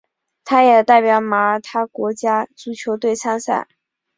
他也代表马耳他国家足球队参赛。